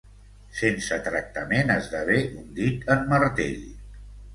Sense tractament esdevé un dit en martell.